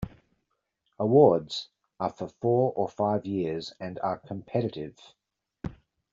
Awards are for four or five years and are competitive.